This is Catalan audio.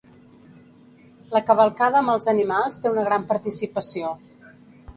La cavalcada amb els animals té una gran participació.